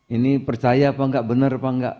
ini percaya apa enggak benar apa enggak